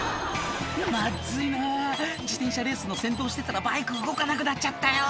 「まずいな自転車レースの先導してたらバイク動かなくなっちゃったよ」